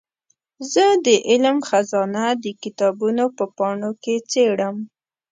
زه د علم خزانه د کتابونو په پاڼو کې څېړم.